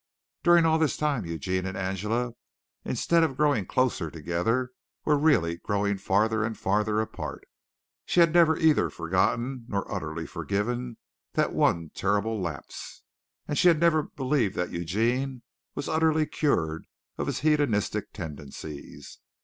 During all this time Eugene and Angela instead of growing closer together, were really growing farther and farther apart. She had never either forgotten or utterly forgiven that one terrific lapse, and she had never believed that Eugene was utterly cured of his hedonistic tendencies.